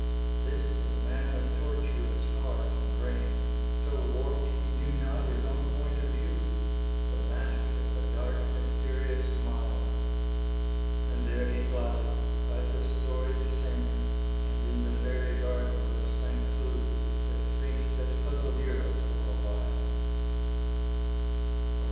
This was a man of tortuous heart and brain, So warped he knew not his own point of view The master of a dark, mysterious smile. And there he plotted, by the storied Seine And in the fairy gardens of St. Cloud, The Sphinx that puzzled Europe, for awhile.